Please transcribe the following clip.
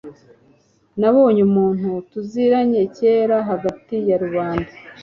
nabonye umuntu tuziranye kera hagati ya rubanda